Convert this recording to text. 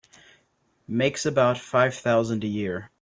Makes about five thousand a year.